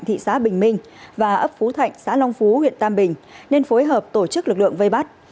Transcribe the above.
thị xã bình minh và ấp phú thạnh xã long phú huyện tam bình nên phối hợp tổ chức lực lượng vây bắt